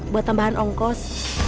buat tambahan ongkos